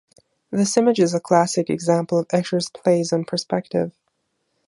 This image is a classic example of Escher's plays on perspective.